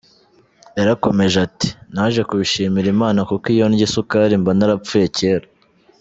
Yarakomeje ati “Naje kubishimira Imana kuko iyo ndya isukari mba narapfuye kera.